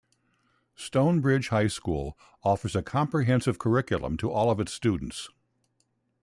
Stone Bridge High School offers a comprehensive curriculum to all of its students.